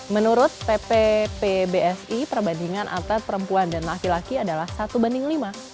menurut pppbsi perbandingan atlet perempuan dan laki laki adalah satu banding lima